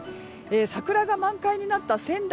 桜が満開になった仙台。